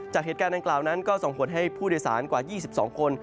จากเหตุการณ์ดังกล่าวนั้นก็ส่งผลให้ผู้โดยสารกว่า๒๒คน